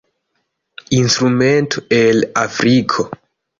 Instrumento el Afriko.